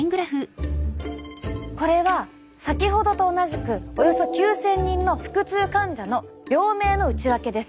これは先ほどと同じくおよそ９，０００人の腹痛患者の病名の内訳です。